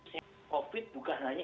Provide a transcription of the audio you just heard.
covid bukan hanya